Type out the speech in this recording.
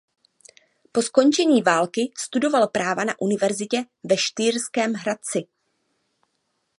Po skončení války studoval práva na univerzitě ve Štýrském Hradci.